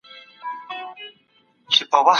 خپل استعدادونه به په ښه توګه نندارې ته وړاندي کوئ.